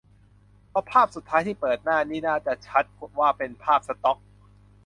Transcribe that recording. พอภาพสุดท้ายที่เปิดหน้านี่น่าจะชัดว่าเป็นภาพสต็อก